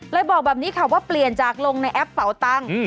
บอกแบบนี้ค่ะว่าเปลี่ยนจากลงในแอปเป่าตังค์